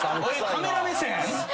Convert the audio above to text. カメラ目線？